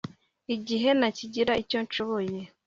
igihe ntakigira icyo nshoboye